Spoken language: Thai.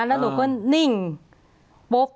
แล้วหนูก็นิ่งปุ๊บ